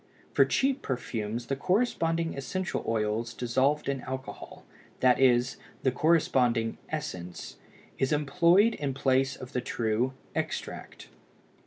For cheap perfumes the corresponding essential oils dissolved in alcohol, that is, the corresponding "essence," is employed in place of the true "extract."